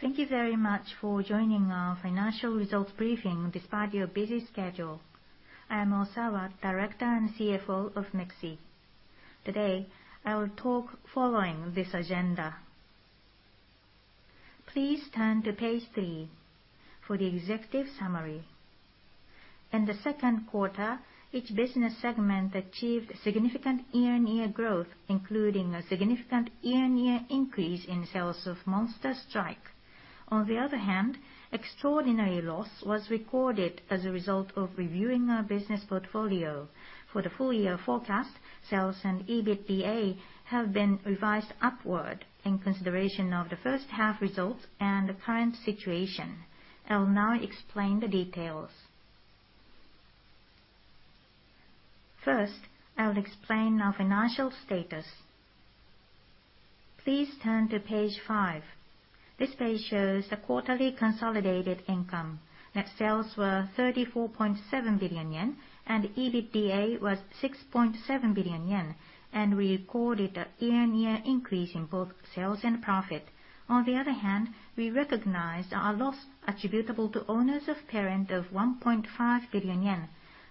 Thank you very much for joining our financial results briefing despite your busy schedule. I am Osawa, Director and CFO of MIXI. Today, I will talk following this agenda. Please turn to page three for the executive summary. In the second quarter, each business segment achieved significant year-on-year growth, including a significant year-on-year increase in sales of Monster Strike. On the other hand, extraordinary loss was recorded as a result of reviewing our business portfolio. For the full year forecast, sales and EBITDA have been revised upward in consideration of the first half results and the current situation. I'll now explain the details. First, I'll explain our financial status. Please turn to page five. This page shows the quarterly consolidated income. Net sales were 34.7 billion yen, and EBITDA was 6.7 billion yen, and we recorded a year-on-year increase in both sales and profit. On the other hand, we recognized our loss attributable to owners of parent of 1.5 billion yen.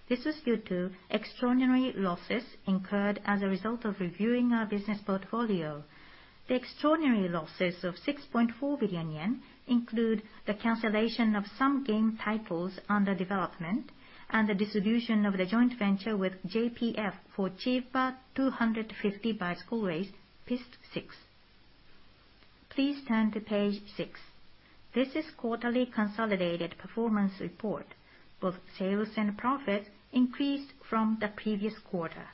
This was due to extraordinary losses incurred as a result of reviewing our business portfolio. The extraordinary losses of 6.4 billion yen include the cancellation of some game titles under development and the dissolution of the joint venture with JPF for Chiba 250 Bicycle Race, PIST6. Please turn to page six. This is quarterly consolidated performance report. Both sales and profit increased from the previous quarter.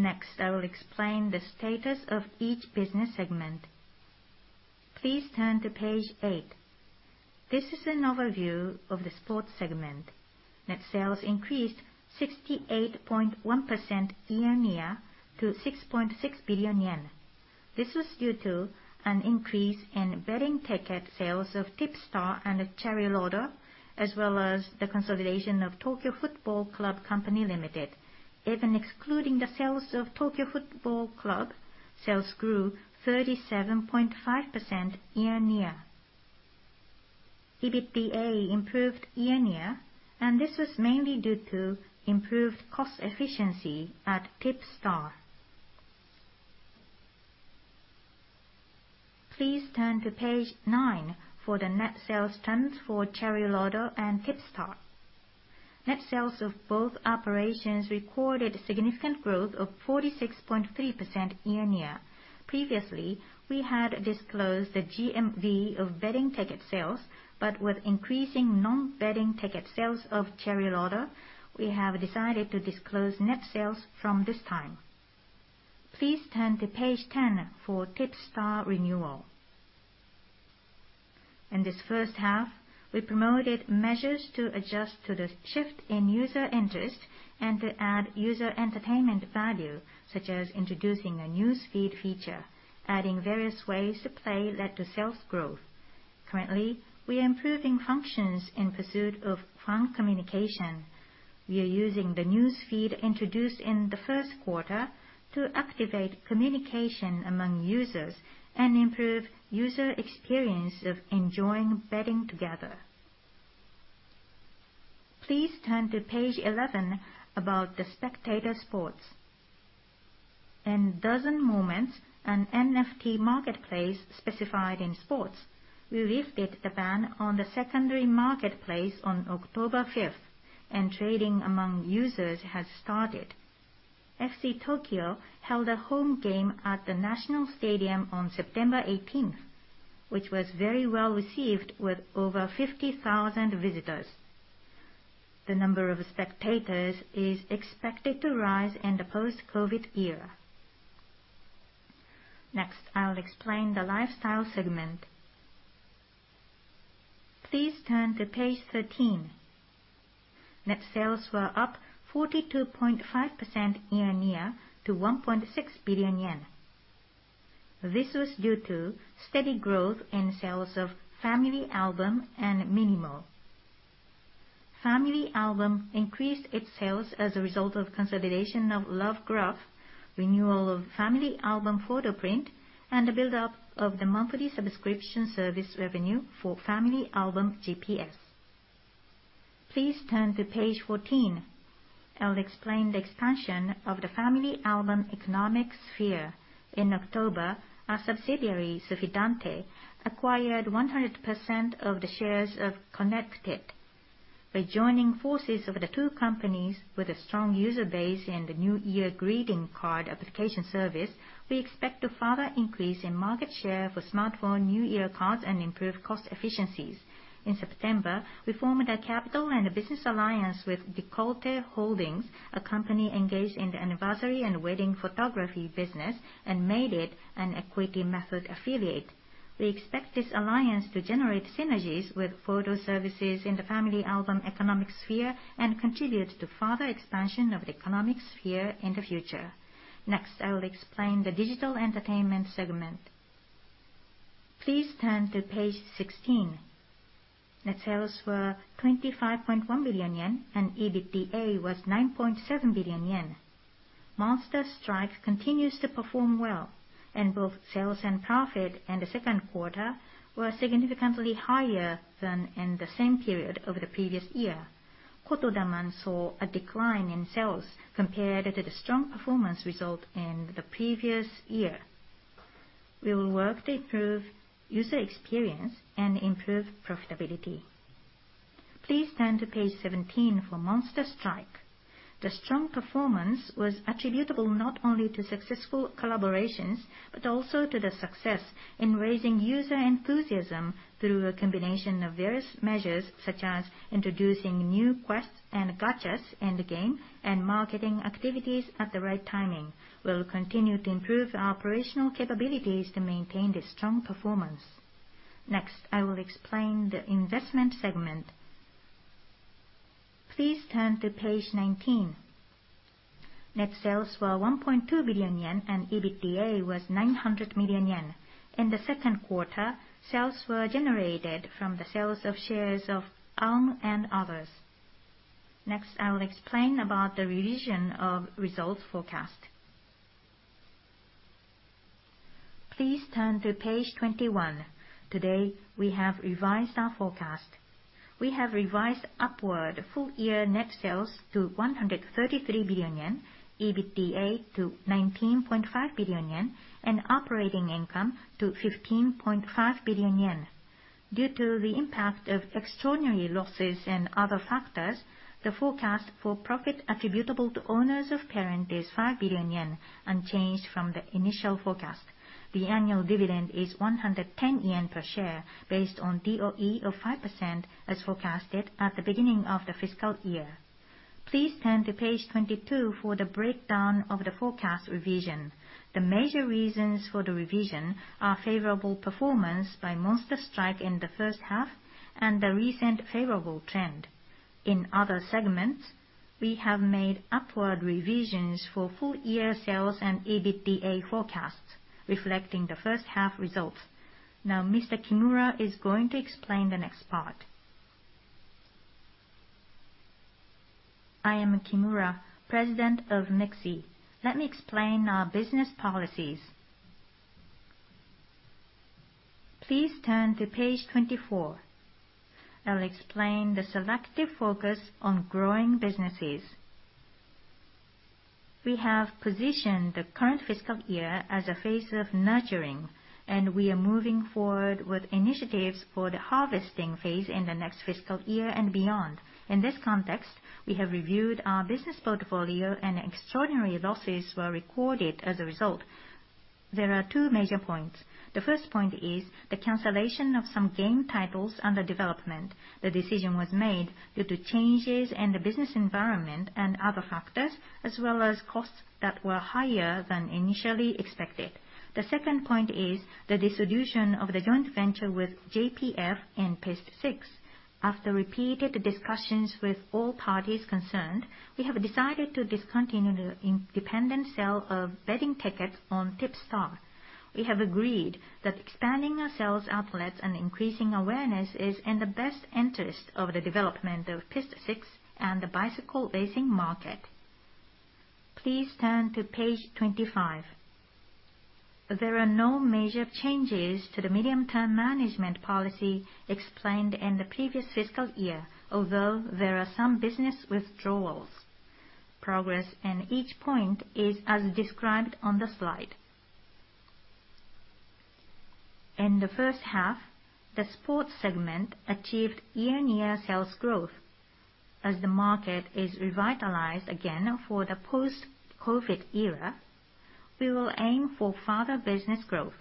Next, I will explain the status of each business segment. Please turn to page eight. This is an overview of the Sports segment. Net sales increased 68.1% year-on-year to 6.6 billion yen. This was due to an increase in betting ticket sales of TIPSTAR and Chariloto, as well as the consolidation of Tokyo Football Club Co., Ltd. Even excluding the sales of Tokyo Football Club, sales grew 37.5% year-on-year. EBITDA improved year-on-year, and this was mainly due to improved cost efficiency at TIPSTAR. Please turn to page nine for the net sales trends for Chariloto and TIPSTAR. Net sales of both operations recorded significant growth of 46.3% year-on-year. Previously, we had disclosed the GMV of betting ticket sales, but with increasing non-betting ticket sales of Chariloto, we have decided to disclose net sales from this time. Please turn to page 10 for TIPSTAR renewal. In this first half, we promoted measures to adjust to the shift in user interest and to add user entertainment value, such as introducing a news feed feature. Adding various ways to play led to sales growth. Currently, we are improving functions in pursuit of fan communication. We are using the news feed introduced in the first quarter to activate communication among users and improve user experience of enjoying betting together. Please turn to page 11 about the Spectator Sports. In DAZN MOMENTS, an NFT marketplace specialized in sports, we lifted the ban on the secondary marketplace on October 5th, and trading among users has started. FC Tokyo held a home game at the National Stadium on September 18th, which was very well received with over 50,000 visitors. The number of spectators is expected to rise in the post-COVID era. Next, I'll explain the Lifestyle segment. Please turn to page 13. Net sales were up 42.5% year-on-year to 1.6 billion yen. This was due to steady growth in sales of FamilyAlbum and minimo. FamilyAlbum increased its sales as a result of consolidation of Lovegraph, renewal of FamilyAlbum photo prints, and the buildup of the monthly subscription service revenue for FamilyAlbum GPS. Please turn to page 14. I'll explain the expansion of the FamilyAlbum economic sphere. In October, our subsidiary, SFIDANTE, acquired 100% of the shares of Connected. By joining forces of the two companies with a strong user base in the new year greeting card application service, we expect to further increase in market share for smartphone new year cards and improve cost efficiencies. In September, we formed a capital and a business alliance with Decollte Holdings, a company engaged in the anniversary and wedding photography business and made it an equity method affiliate. We expect this alliance to generate synergies with photo services in the FamilyAlbum economic sphere and contribute to further expansion of the economic sphere in the future. Next, I will explain the Digital Entertainment segment. Please turn to page 16. Net sales were 25.1 billion yen, and EBITDA was 9.7 billion yen. Monster Strike continues to perform well, and both sales and profit in the second quarter were significantly higher than in the same period over the previous year. Kotodaman saw a decline in sales compared to the strong performance result in the previous year. We will work to improve user experience and improve profitability. Please turn to page 17 for Monster Strike. The strong performance was attributable not only to successful collaborations, but also to the success in raising user enthusiasm through a combination of various measures, such as introducing new quests and gachas in the game and marketing activities at the right timing. We'll continue to improve our operational capabilities to maintain the strong performance. Next, I will explain the investment segment. Please turn to page 19. Net sales were 1.2 billion yen, and EBITDA was 900 million yen. In the second quarter, sales were generated from the sales of shares of Arm and others. Next, I will explain about the revision of results forecast. Please turn to page 21. Today, we have revised our forecast. We have revised upward full year net sales to 133 billion yen, EBITDA to 19.5 billion yen, and operating income to 15.5 billion yen. Due to the impact of extraordinary losses and other factors, the forecast for profit attributable to owners of parent is 5 billion yen, unchanged from the initial forecast. The annual dividend is 110 yen per share based on DOE of 5% as forecasted at the beginning of the fiscal year. Please turn to page 22 for the breakdown of the forecast revision. The major reasons for the revision are favorable performance by Monster Strike in the first half and the recent favorable trend. In other segments, we have made upward revisions for full year sales and EBITDA forecasts reflecting the first half results. Now, Mr. Kimura is going to explain the next part. I am Kimura, President of MIXI. Let me explain our business policies. Please turn to page 24. I will explain the selective focus on growing businesses. We have positioned the current fiscal year as a phase of nurturing, and we are moving forward with initiatives for the harvesting phase in the next fiscal year and beyond. In this context, we have reviewed our business portfolio and extraordinary losses were recorded as a result. There are two major points. The first point is the cancellation of some game titles under development. The decision was made due to changes in the business environment and other factors, as well as costs that were higher than initially expected. The second point is the dissolution of the joint venture with JPF and PIST6. After repeated discussions with all parties concerned, we have decided to discontinue the independent sale of betting tickets on TIPSTAR. We have agreed that expanding our sales outlets and increasing awareness is in the best interest of the development of PIST6 and the bicycle racing market. Please turn to page 25. There are no major changes to the medium-term management policy explained in the previous fiscal year, although there are some business withdrawals. Progress in each point is as described on the slide. In the first half, the sports segment achieved year-on-year sales growth. As the market is revitalized again for the post-COVID era, we will aim for further business growth.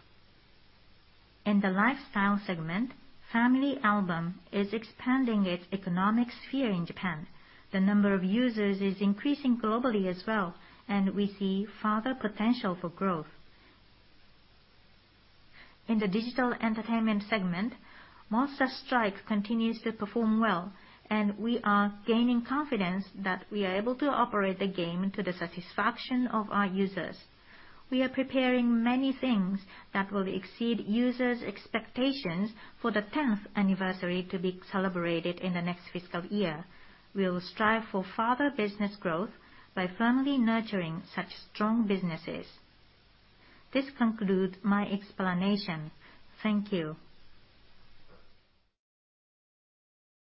In the lifestyle segment, FamilyAlbum is expanding its economic sphere in Japan. The number of users is increasing globally as well, and we see further potential for growth. In the Digital Entertainment segment, Monster Strike continues to perform well, and we are gaining confidence that we are able to operate the game to the satisfaction of our users. We are preparing many things that will exceed users' expectations for the 10th anniversary to be celebrated in the next fiscal year. We will strive for further business growth by firmly nurturing such strong businesses. This concludes my explanation. Thank you.